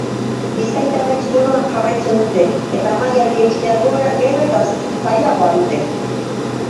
Bizkaitarrek zuloan jarraitzen dute eta mailari eustea gero eta zailagoa dute.